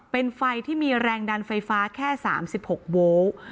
เป็นไฟที่มีแรงดันไฟฟ้าแค่๓๖โวลต์